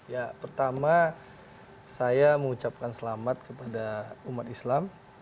ya pertama saya mengucapkan selamat kepada umat islam